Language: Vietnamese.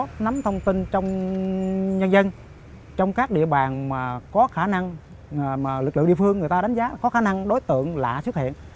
mũi ba là kết hợp nắm thông tin trong nhân dân trong các địa bàn mà có khả năng lực lượng địa phương người ta đánh giá có khả năng đối tượng lạ xuất hiện